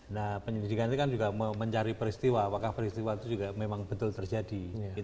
nah penyelidikan itu kan juga mencari peristiwa apakah peristiwa itu juga memang betul terjadi